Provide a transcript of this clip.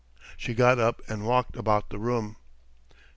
She got up and walked about the room.